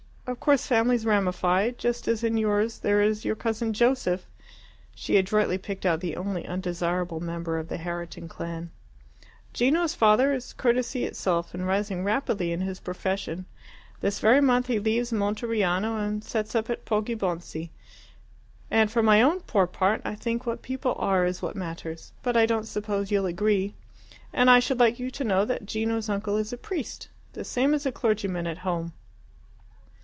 Of course families ramify just as in yours there is your cousin Joseph." She adroitly picked out the only undesirable member of the Herriton clan. "Gino's father is courtesy itself, and rising rapidly in his profession. This very month he leaves Monteriano, and sets up at Poggibonsi. And for my own poor part, I think what people are is what matters, but I don't suppose you'll agree. And I should like you to know that Gino's uncle is a priest the same as a clergyman at home."